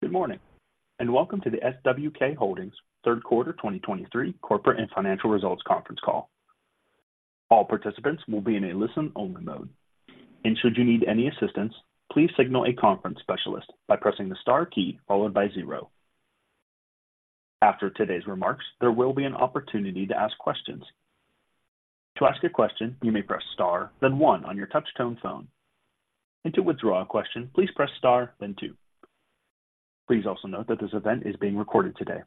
Good morning, and welcome to the SWK Holdings Third Quarter 2023 Corporate and Financial Results Conference Call. All participants will be in a listen-only mode, and should you need any assistance, please signal a conference specialist by pressing the star key followed by zero. After today's remarks, there will be an opportunity to ask questions. To ask a question, you may press Star, then one on your touchtone phone. To withdraw a question, please press Star, then two. Please also note that this event is being recorded today.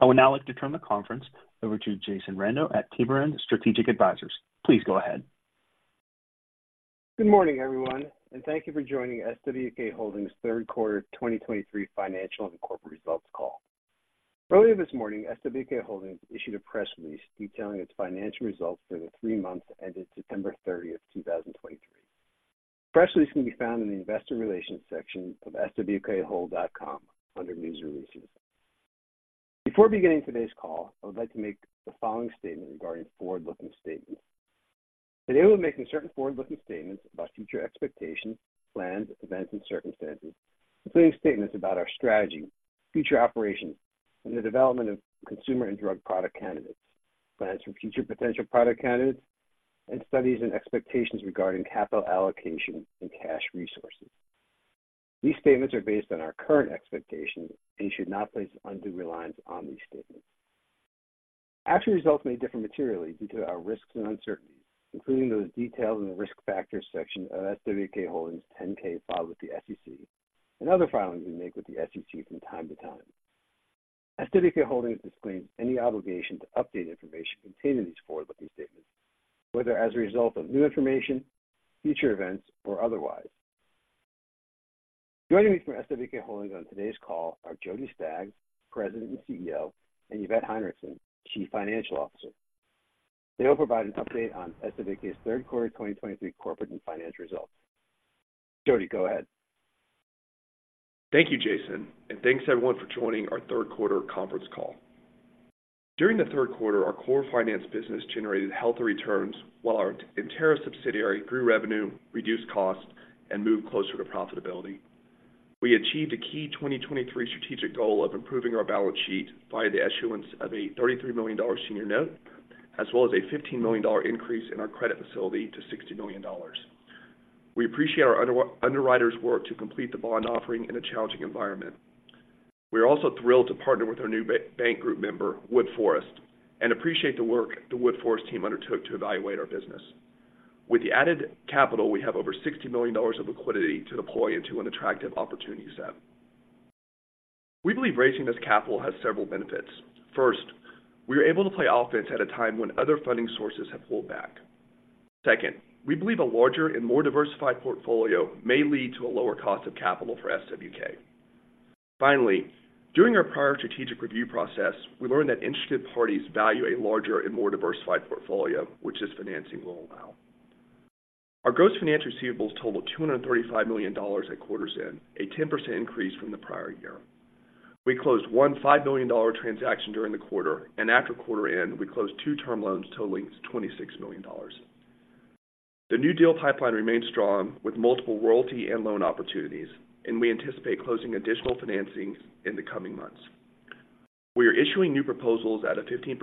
I would now like to turn the conference over to Jason Rando at Tiberend Strategic Advisors. Please go ahead. Good morning, everyone, and thank you for joining SWK Holdings third quarter 2023 financial and corporate results call. Earlier this morning, SWK Holdings issued a press release detailing its financial results for the three months ended September 30, 2023. The press release can be found in the Investor Relations section of swkhold.com under News Releases. Before beginning today's call, I would like to make the following statement regarding forward-looking statements. Today, we'll be making certain forward-looking statements about future expectations, plans, events, and circumstances, including statements about our strategy, future operations, and the development of consumer and drug product candidates, plans for future potential product candidates, and studies and expectations regarding capital allocation and cash resources. These statements are based on our current expectations and should not place undue reliance on these statements. Actual results may differ materially due to our risks and uncertainties, including those detailed in the Risk Factors section of SWK Holdings's 10-K filed with the SEC and other filings we make with the SEC from time to time. SWK Holdings disclaims any obligation to update information contained in these forward-looking statements, whether as a result of new information, future events, or otherwise. Joining me from SWK Holdings on today's call are Jody Staggs, President and CEO, and Yvette Heinrichson, Chief Financial Officer. They will provide an update on SWK's third quarter 2023 corporate and financial results. Jody, go ahead. Thank you, Jason, and thanks, everyone, for joining our third quarter conference call. During the third quarter, our core finance business generated healthy returns while our entire subsidiary grew revenue, reduced costs, and moved closer to profitability. We achieved a key 2023 strategic goal of improving our balance sheet via the issuance of a $33 million senior note, as well as a $15 million increase in our credit facility to $60 million. We appreciate our underwriters' work to complete the bond offering in a challenging environment. We are also thrilled to partner with our new bank group member, Woodforest, and appreciate the work the Woodforest team undertook to evaluate our business. With the added capital, we have over $60 million of liquidity to deploy into an attractive opportunity set. We believe raising this capital has several benefits. First, we are able to play offense at a time when other funding sources have pulled back. Second, we believe a larger and more diversified portfolio may lead to a lower cost of capital for SWK. Finally, during our prior strategic review process, we learned that interested parties value a larger and more diversified portfolio, which this financing will allow. Our gross finance receivables totaled $235 million at quarter's end, a 10% increase from the prior year. We closed a $15 million transaction during the quarter, and after quarter end, we closed two term loans totaling $26 million. The new deal pipeline remains strong, with multiple royalty and loan opportunities, and we anticipate closing additional financings in the coming months. We are issuing new proposals at a 15%+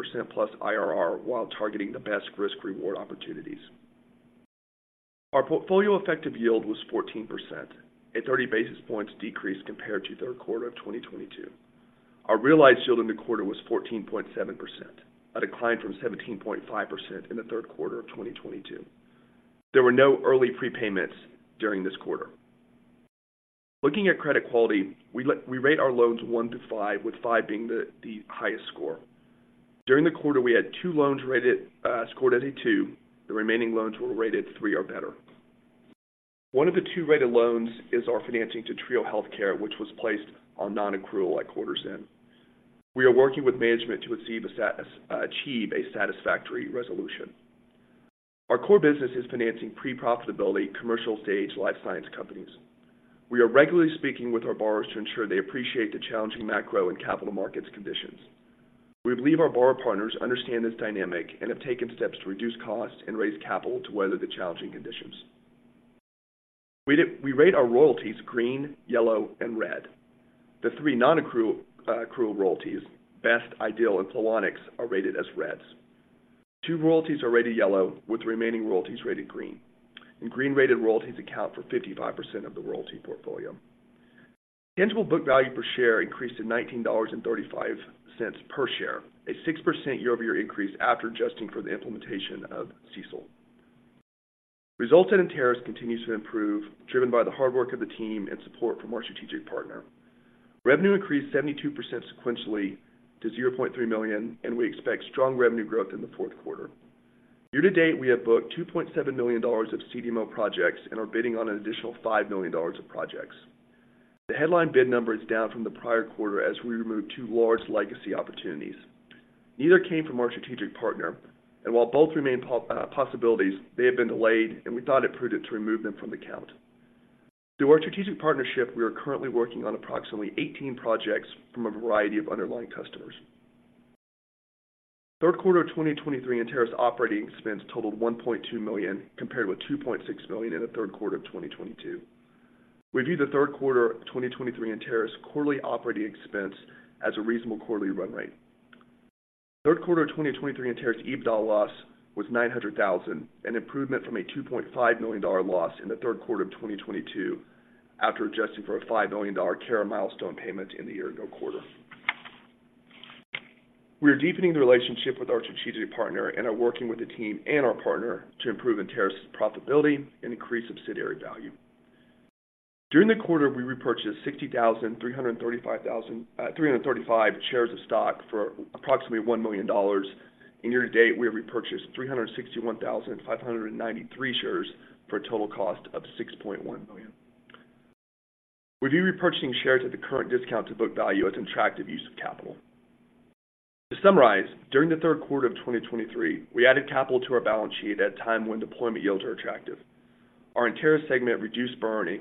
IRR while targeting the biotech risk-reward opportunities. Our portfolio effective yield was 14%, a 30 basis points decrease compared to third quarter of 2022. Our realized yield in the quarter was 14.7%, a decline from 17.5% in the third quarter of 2022. There were no early prepayments during this quarter. Looking at credit quality, we rate our loans one to five, with five being the highest score. During the quarter, we had two loans rated, scored as a two. The remaining loans were rated three or better. One of the two-rated loans is our financing to Trio Healthcare, which was placed on non-accrual at quarter's end. We are working with management to achieve a satisfactory resolution. Our core business is financing pre-profitability commercial-stage life science companies. We are regularly speaking with our borrowers to ensure they appreciate the challenging macro and capital markets conditions. We believe our borrower partners understand this dynamic and have taken steps to reduce costs and raise capital to weather the challenging conditions. We rate our royalties green, yellow, and red. The three non-accrual royalties, biotech, Ideal, and Flowonix, are rated as reds. Two royalties are rated yellow, with the remaining royalties rated green, and green-rated royalties account for 55% of the royalty portfolio. Tangible book value per share increased to $19.35 per share, a 6% year-over-year increase after adjusting for the implementation of CECL. Results at Enteris continues to improve, driven by the hard work of the team and support from our strategic partner. Revenue increased 72% sequentially to 0.3 million, and we expect strong revenue growth in the fourth quarter. Year to date, we have booked $2.7 million of CDMO projects and are bidding on an additional $5 million of projects. The headline bid number is down from the prior quarter as we removed two large legacy opportunities. Neither came from our strategic partner, and while both remain possibilities, they have been delayed, and we thought it prudent to remove them from the count. Through our strategic partnership, we are currently working on approximately 18 projects from a variety of underlying customers.... Third quarter of 2023, Enteris operating expense totaled 1.2 million, compared with 2.6 million in the third quarter of 2022. We view the third quarter of 2023 Enteris' quarterly operating expense as a reasonable quarterly run rate. Third quarter of 2023, Enteris' EBITDA loss was 900,000, an improvement from a $2.5 million loss in the third quarter of 2022, after adjusting for a 5 million Cara milestone payment in the year-ago-quarter. We are deepening the relationship with our strategic partner and are working with the team and our partner to improve Enteris' profitability and increase subsidiary value. During the quarter, we repurchased 335,000 shares of stock for approximately $1 million. Year-to-date, we have repurchased 361,593 shares, for a total cost of 6.1 million. We view repurchasing shares at the current discount to book value as an attractive use of capital. To summarize, during the third quarter of 2023, we added capital to our balance sheet at a time when deployment yields are attractive. Our Enteris segment reduced burn and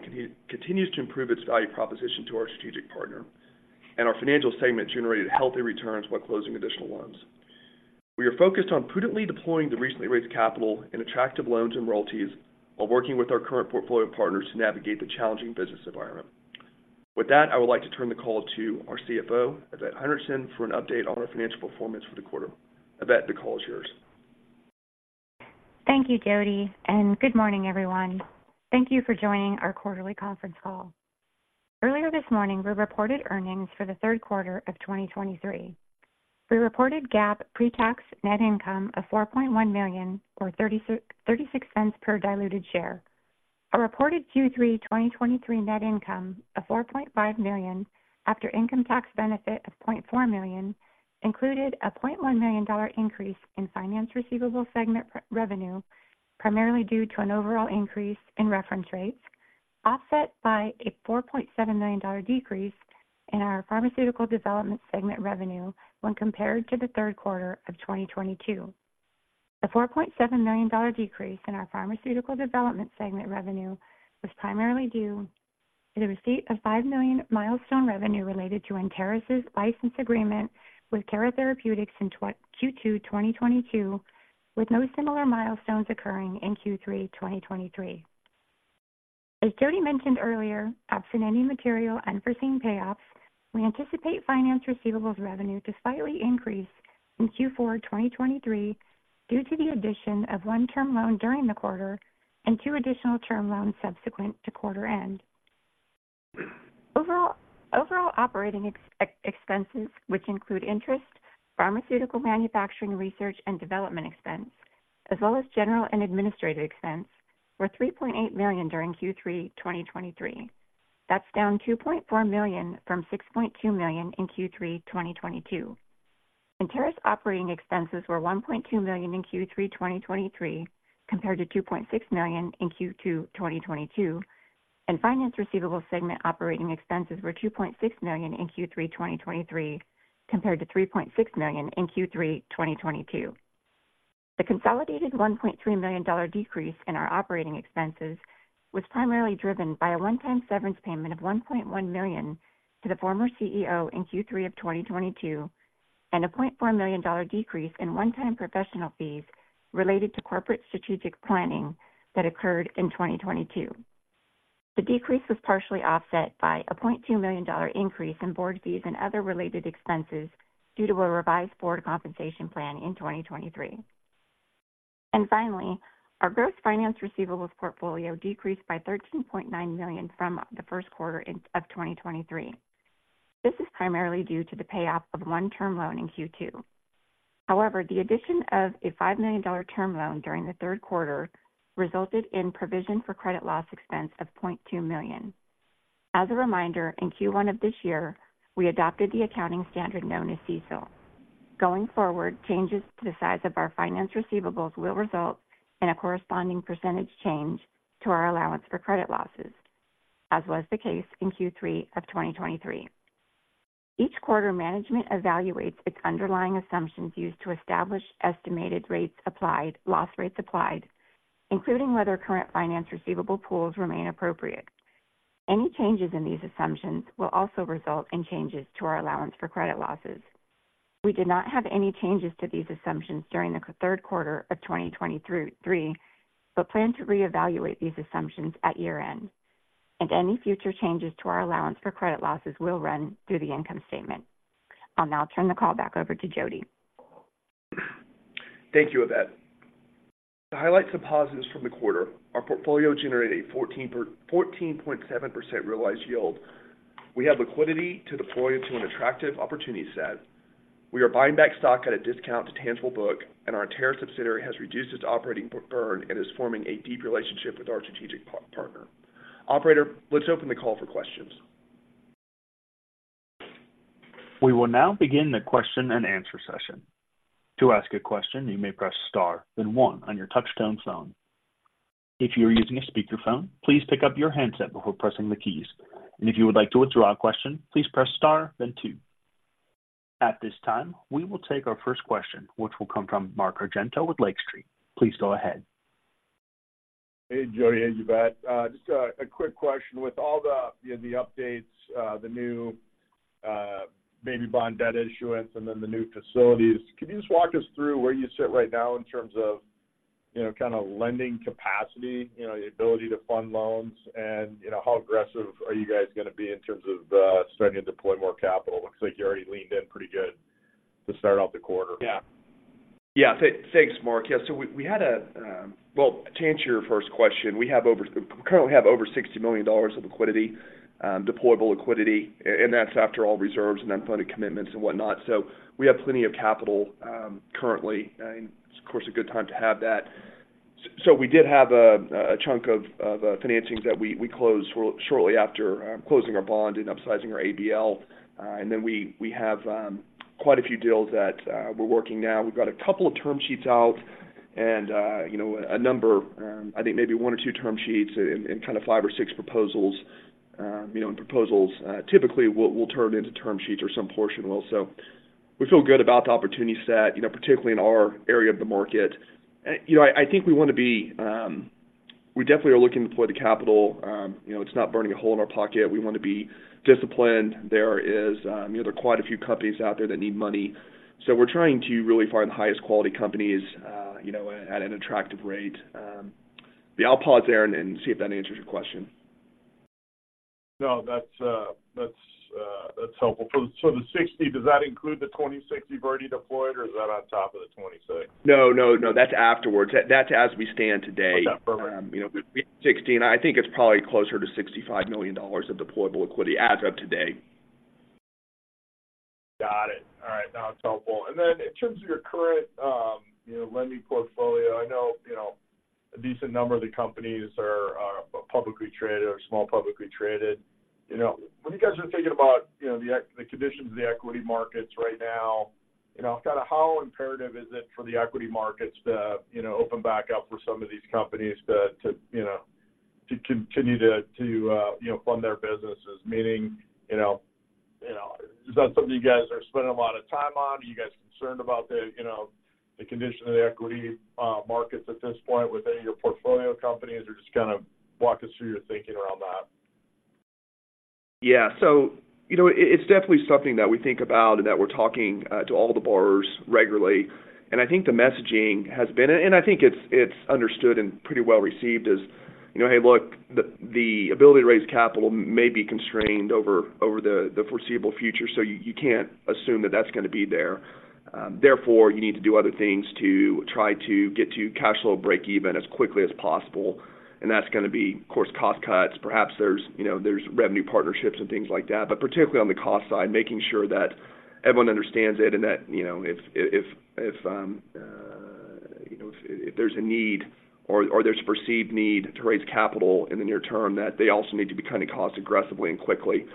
continues to improve its value proposition to our strategic partner, and our financial segment generated healthy returns while closing additional loans. We are focused on prudently deploying the recently raised capital in attractive loans and royalties, while working with our current portfolio of partners to navigate the challenging business environment. With that, I would like to turn the call to our CFO, Yvette Heinrichson, for an update on our financial performance for the quarter. Yvette, the call is yours. Thank you, Jody, and good morning, everyone. Thank you for joining our quarterly conference call. Earlier this morning, we reported earnings for the third quarter of 2023. We reported GAAP pre-tax net income of 4.1 million, or 0.36 per diluted share. Our reported Q3 2023 net income of 4.5 million, after income tax benefit of 0.4 million, included a $0.1 million increase in finance receivable segment revenue, primarily due to an overall increase in reference rates, offset by a $4.7 million decrease in our pharmaceutical development segment revenue when compared to the third quarter of 2022. The $4.7 million decrease in our pharmaceutical development segment revenue was primarily due to the receipt of 5 million milestone revenue related to Enteris' license agreement with Cara Therapeutics in Q2 2022, with no similar milestones occurring in Q3 2023. As Jody mentioned earlier, absent any material unforeseen payoffs, we anticipate finance receivables revenue to slightly increase in Q4 2023, due to the addition of one term loan during the quarter and two additional term loans subsequent to quarter end. Overall, operating expenses, which include interest, pharmaceutical manufacturing, research and development expense, as well as general and administrative expense, were 3.8 million during Q3 2023. That's down 2.4 million from 6.2 million in Q3 2022. Enteris operating expenses were 1.2 million in Q3 2023, compared to 2.6 million in Q2 2022, and finance receivables segment operating expenses were $2.6 million in Q3 2023, compared to 3.6 million in Q3 2022. The consolidated $1.3 million decrease in our operating expenses was primarily driven by a one-time severance payment of 1.1 million to the former CEO in Q3 of 2022, and a $0.4 million decrease in one-time professional fees related to corporate strategic planning that occurred in 2022. The decrease was partially offset by a $0.2 million increase in board fees and other related expenses due to a revised board compensation plan in 2023. Finally, our gross finance receivables portfolio decreased by 13.9 million from the first quarter of 2023. This is primarily due to the payoff of one term loan in Q2. However, the addition of a $5 million term loan during the third quarter resulted in provision for credit loss expense of 0.2 million. As a reminder, in Q1 of this year, we adopted the accounting standard known as CECL. Going forward, changes to the size of our finance receivables will result in a corresponding percentage change to our allowance for credit losses, as was the case in Q3 of 2023. Each quarter, management evaluates its underlying assumptions used to establish estimated rates applied, loss rates applied, including whether current finance receivable pools remain appropriate. Any changes in these assumptions will also result in changes to our allowance for credit losses. We did not have any changes to these assumptions during the third quarter of 2023, but plan to reevaluate these assumptions at year-end, and any future changes to our allowance for credit losses will run through the income statement. I'll now turn the call back over to Jody. Thank you, Yvette. To highlight some positives from the quarter, our portfolio generated a 14.7% realized yield. We have liquidity to deploy into an attractive opportunity set. We are buying back stock at a discount to tangible book, and our Enteris subsidiary has reduced its operating burn and is forming a deep relationship with our strategic partner. Operator, let's open the call for questions. We will now begin the question-and-answer session. To ask a question, you may press star then one on your touch-tone phone. If you are using a speakerphone, please pick up your handset before pressing the keys. If you would like to withdraw a question, please press star then two. At this time, we will take our first question, which will come from Mark Argento with Lake Street. Please go ahead. ... Hey, Jody, hey, Yvette. Just a quick question. With all the, you know, the updates, the new baby bond debt issuance and then the new facilities, can you just walk us through where you sit right now in terms of, you know, kind of lending capacity, you know, your ability to fund loans? And, you know, how aggressive are you guys going to be in terms of starting to deploy more capital? Looks like you already leaned in pretty good to start off the quarter. Yeah. Yeah. Thanks, Mark. Yeah, so Well, to answer your first question, we currently have over $60 million of liquidity, deployable liquidity, and that's after all reserves and unfunded commitments and whatnot. So we have plenty of capital currently, and it's, of course, a good time to have that. So we did have a chunk of financings that we closed shortly after closing our bond and upsizing our ABL. And then we have quite a few deals that we're working now. We've got a couple of term sheets out and you know a number, I think maybe one or two term sheets and kind of five or six proposals. You know, and proposals typically will turn into term sheets or some portion will. So we feel good about the opportunity set, you know, particularly in our area of the market. And, you know, I think we want to be, we definitely are looking to deploy the capital. You know, it's not burning a hole in our pocket. We want to be disciplined. There is, you know, there are quite a few companies out there that need money, so we're trying to really find the highest quality companies, you know, at an attractive rate. Yeah, I'll pause there and see if that answers your question. No, that's helpful. So the 60, does that include the 26 you've already deployed, or is that on top of the 26? No, no, no, that's afterwards. That, that's as we stand today. Okay, perfect. You know, we had 16. I think it's probably closer to $65 million of deployable liquidity as of today. Got it. All right, no, it's helpful. And then in terms of your current, you know, lending portfolio, I know, you know, a decent number of the companies are, are publicly traded or small, publicly traded. You know, when you guys are thinking about, you know, the the conditions of the equity markets right now, you know, kind of how imperative is it for the equity markets to, you know, open back up for some of these companies to, to, you know, to continue to, to, you know, fund their businesses? Meaning, you know, you know, is that something you guys are spending a lot of time on? Are you guys concerned about the, you know, the condition of the equity, markets at this point with any of your portfolio companies, or just kind of walk us through your thinking around that. Yeah. So, you know, it, it's definitely something that we think about and that we're talking to all the borrowers regularly. And I think the messaging has been... And I think it's, it's understood and pretty well received as, you know, "Hey, look, the ability to raise capital may be constrained over the foreseeable future, so you can't assume that that's going to be there. Therefore, you need to do other things to try to get to cash flow breakeven as quickly as possible." And that's going to be, of course, cost cuts. Perhaps there's, you know, there's revenue partnerships and things like that, but particularly on the cost side, making sure that everyone understands it and that, you know, if there's a need or there's a perceived need to raise capital in the near term, that they also need to be cutting costs aggressively and quickly.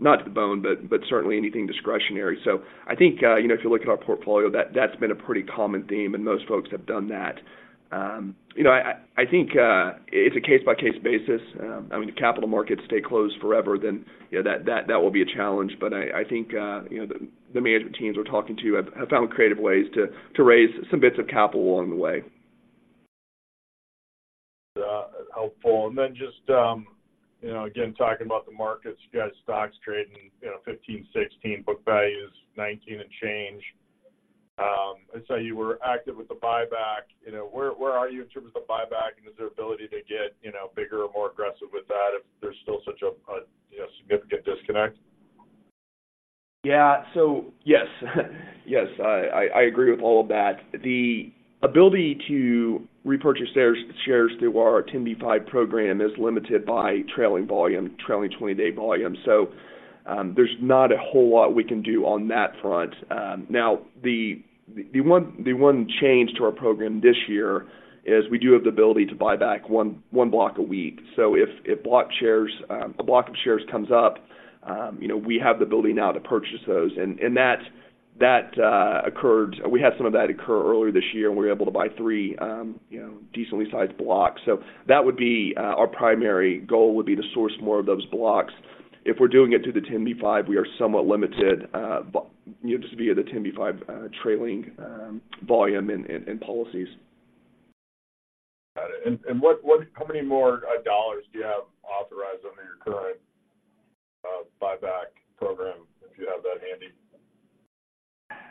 Not to the bone, but certainly anything discretionary. So I think, you know, if you look at our portfolio, that's been a pretty common theme, and most folks have done that. You know, I think it's a case-by-case basis. I mean, if the capital markets stay closed forever, then, you know, that will be a challenge. But I think, you know, the management teams we're talking to have found creative ways to raise some bits of capital along the way. Helpful. And then just, you know, again, talking about the markets, you guys stocks trading, you know, 15-16, book value is 19 and change. I saw you were active with the buyback. You know, where, where are you in terms of the buyback, and is there ability to get, you know, bigger or more aggressive with that if there's still such a, a, you know, significant disconnect? Yeah. So yes. Yes, I agree with all of that. The ability to repurchase shares through our 10b5-1 program is limited by trailing 20-day volume. So, there's not a whole lot we can do on that front. Now, the one change to our program this year is we do have the ability to buy back one block a week. So if block shares, a block of shares comes up, you know, we have the ability now to purchase those. And that occurred. We had some of that occur earlier this year, and we were able to buy three, you know, decently sized blocks. So that would be our primary goal, to source more of those blocks. If we're doing it through the 10b5-1, we are somewhat limited, you know, just via the 10b5-1, trailing volume and policies. Got it. And what, how many more dollars do you have authorized under your current buyback program, if you have that handy?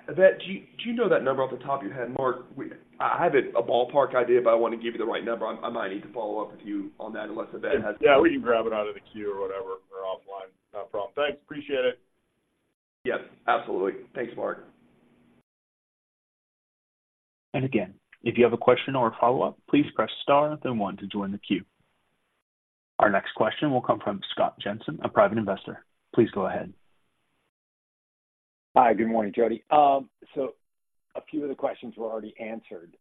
Yvette, do you know that number off the top of your head? Mark, we-- I have a ballpark idea, but I want to give you the right number. I might need to follow up with you on that unless Yvette has- Yeah, we can grab it out of the queue or whatever, or offline. Not a problem. Thanks, appreciate it. Yes, absolutely. Thanks, Mark. Again, if you have a question or a follow-up, please press Star, then one to join the queue. Our next question will come from Scott Jensen, a private investor. Please go ahead. Hi, good morning, Jody. So a few of the questions were already answered,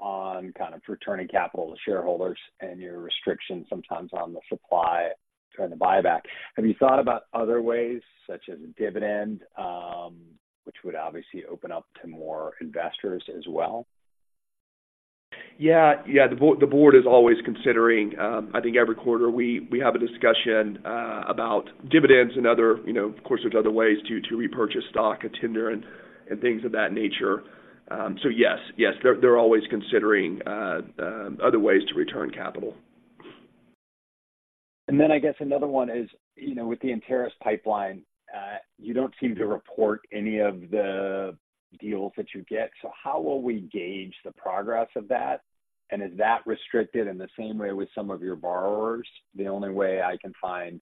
on kind of returning capital to shareholders and your restrictions sometimes on the supply, trying to buy back. Have you thought about other ways, such as a dividend, which would obviously open up to more investors as well? Yeah, yeah. The board is always considering. I think every quarter we have a discussion about dividends and other, you know, of course, there's other ways to repurchase stock, a tender and things of that nature. So yes. Yes, they're always considering other ways to return capital. ...And then I guess another one is, you know, with the Enteris pipeline, you don't seem to report any of the deals that you get. So how will we gauge the progress of that? And is that restricted in the same way with some of your borrowers? The only way I can find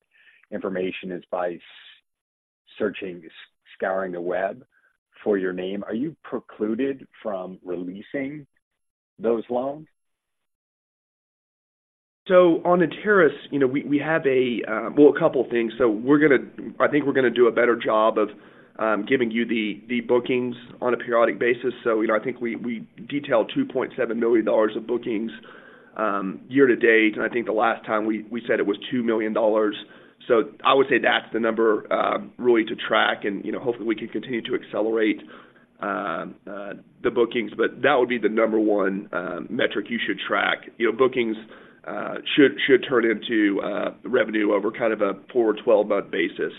information is by searching, scouring the web for your name. Are you precluded from releasing those loans? So on Enteris, you know, we have a well, a couple of things. So we're gonna I think we're gonna do a better job of giving you the bookings on a periodic basis. So, you know, I think we detailed $2.7 million of bookings year to date, and I think the last time we said it was $2 million. So I would say that's the number really to track, and, you know, hopefully, we can continue to accelerate the bookings. But that would be the number one metric you should track. You know, bookings should turn into revenue over kind of a four- to twelve-month basis.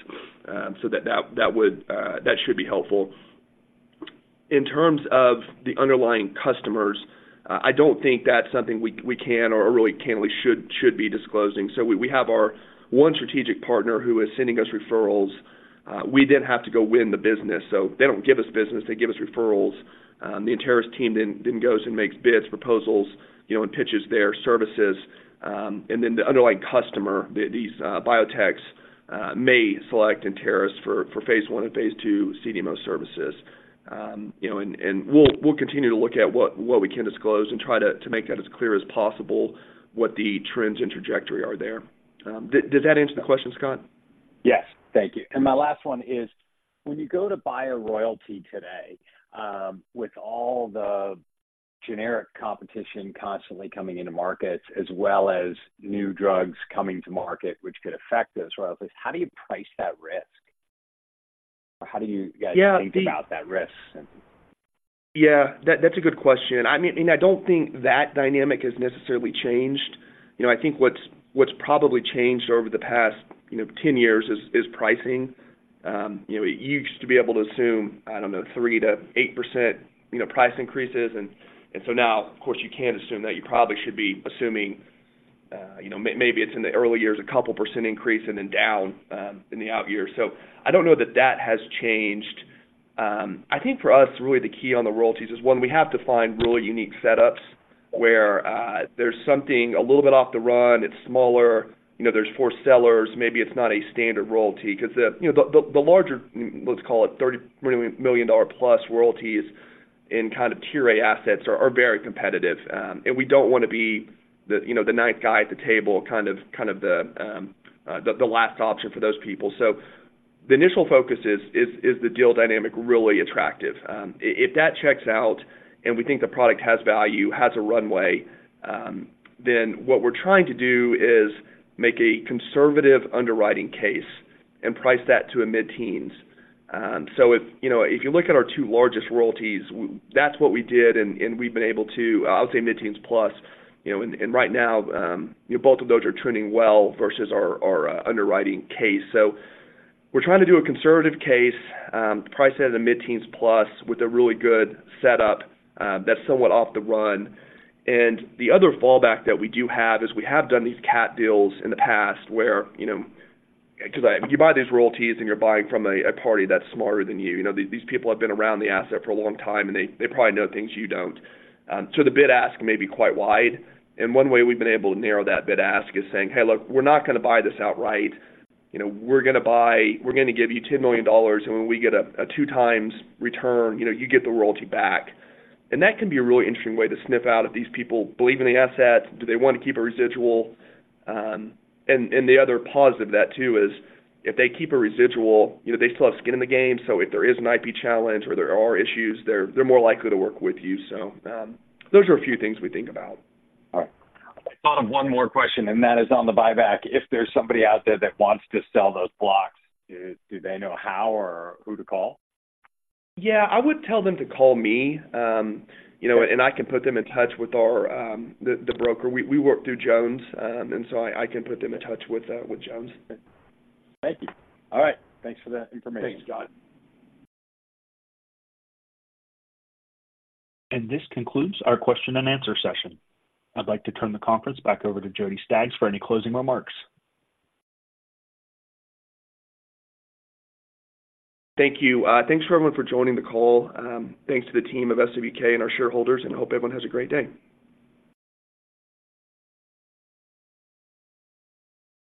So that would that should be helpful. In terms of the underlying customers, I don't think that's something we can or really should be disclosing. So we have our one strategic partner who is sending us referrals. We then have to go win the business. So they don't give us business, they give us referrals. The Enteris team then goes and makes bids, proposals, you know, and pitches their services. And then the underlying customer, these biotech, may select Enteris for phase one and phase two CDMO services. You know, and we'll continue to look at what we can disclose and try to make that as clear as possible what the trends and trajectory are there. Did that answer the question, Scott? Yes. Thank you. My last one is: when you go to buy a royalty today, with all the generic competition constantly coming into markets, as well as new drugs coming to market, which could affect those royalties, how do you price that risk? How do you guys think about that risk? Yeah, that's a good question. I mean, I don't think that dynamic has necessarily changed. You know, I think what's probably changed over the past, you know, 10 years is pricing. You know, you used to be able to assume, I don't know, 3%-8%, you know, price increases. And so now, of course, you can't assume that. You probably should be assuming, you know, maybe it's in the early years, 2% increase and then down in the out years. So I don't know that that has changed. I think for us, really the key on the royalties is, one, we have to find really unique setups where there's something a little bit off the run, it's smaller, you know, there's four sellers, maybe it's not a standard royalty. Because the, you know, the larger, let's call it $30 million-plus royalties in kind of tier A assets are very competitive. And we don't want to be the, you know, the ninth guy at the table, kind of the last option for those people. So the initial focus is the deal dynamic really attractive? If that checks out and we think the product has value, has a runway, then what we're trying to do is make a conservative underwriting case and price that to a mid-teens. So if, you know, if you look at our two largest royalties, that's what we did, and we've been able to, I would say mid-teens plus, you know, and right now, both of those are trending well versus our underwriting case. So we're trying to do a conservative case, price it in the mid-teens plus with a really good setup, that's somewhat off the run. And the other fallback that we do have is we have done these capped deals in the past where, you know... Because you buy these royalties, and you're buying from a party that's smarter than you. You know, these people have been around the asset for a long time, and they probably know things you don't. So the bid ask may be quite wide, and one way we've been able to narrow that bid ask is saying, "Hey, look, we're not gonna buy this outright. You know, we're gonna buy—we're gonna give you $10 million, and when we get a two times return, you know, you get the royalty back." And that can be a really interesting way to sniff out if these people believe in the asset. Do they want to keep a residual? And the other positive of that, too, is if they keep a residual, you know, they still have skin in the game, so if there is an IP challenge or there are issues, they're more likely to work with you. So those are a few things we think about. All right. I thought of one more question, and that is on the buyback. If there's somebody out there that wants to sell those blocks, do they know how or who to call? Yeah, I would tell them to call me, you know, and I can put them in touch with our broker. We work through Jones, and so I can put them in touch with Jones. Thank you. All right. Thanks for that information. Thanks, Scott. This concludes our question and answer session. I'd like to turn the conference back over to Jody Staggs for any closing remarks. Thank you. Thanks, everyone, for joining the call. Thanks to the team of SWK and our shareholders, and hope everyone has a great day.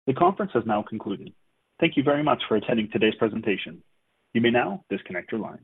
The conference has now concluded. Thank you very much for attending today's presentation. You may now disconnect your line.